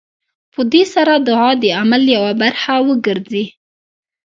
په دې سره دعا د عمل يوه برخه وګرځي.